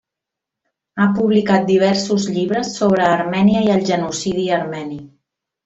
Ha publicat diversos llibres sobre Armènia i el genocidi armeni.